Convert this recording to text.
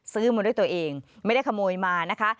ซื้อมาด้วยตัวเองไม่ได้ขโมยมานะคะ